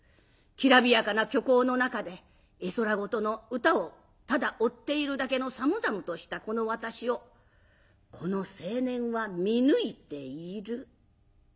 きらびやかな虚構の中で絵空事の歌をただ追っているだけの寒々としたこの私をこの青年は見抜いている。